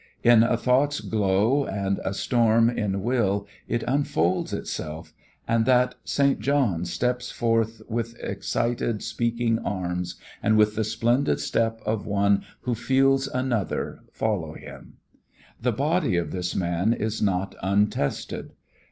In a thought's glow and a storm in will it unfolds itself and that "St. John" steps forth with excited, speaking arms and with the splendid step of one who feels Another follow him. The body of this man is not untested.